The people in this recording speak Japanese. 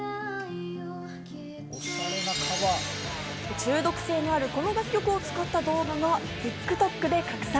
中毒性のあるこの楽曲を使った動画がＴｉｋＴｏｋで拡散。